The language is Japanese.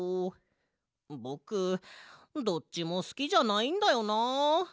ぼくどっちもすきじゃないんだよな。